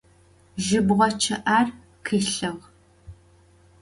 Jıbğe ççı'er khilhığ.